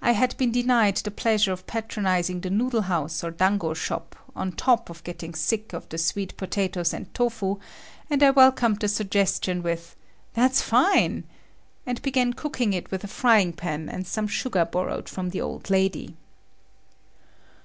I had been denied the pleasure of patronizing the noodle house or dango shop, on top of getting sick of the sweet potatoes and tofu, and I welcomed the suggestion with "That's fine," and began cooking it with a frying pan and some sugar borrowed from the old lady.